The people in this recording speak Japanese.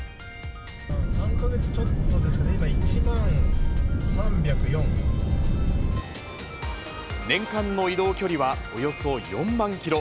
３か月ちょっとで、今、年間の移動距離はおよそ４万キロ。